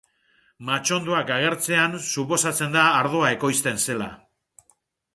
Mahatsondoak agertzean, suposatzen da ardoa ekoizten zela.